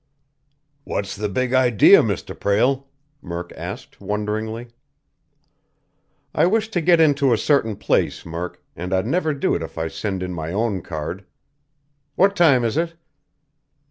"What's the big idea, Mr. Prale?" Murk asked wonderingly. "I wish to get into a certain place, Murk, and I'd never do it if I send in my own card. What time is it?"